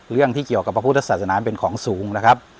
เรื่องที่เกี่ยวกับพระพุทธศาสนาเป็นของสูงนะครับ